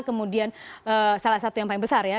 kemudian salah satu yang paling besar ya